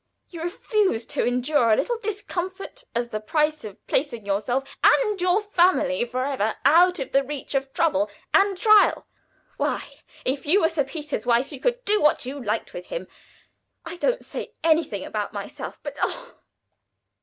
You refuse to endure a little discomfort, as the price of placing yourself and your family forever out of the reach of trouble and trial. Why, if you were Sir Peter's wife, you could do what you liked with him. I don't say anything about myself; but oh!